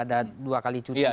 ada dua kali cuti